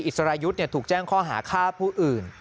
อิสรายุทธ์เนี่ยถูกแจ้งข้อหาค่าผู้อื่น